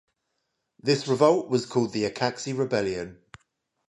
This revolt was called the Acaxee Rebellion.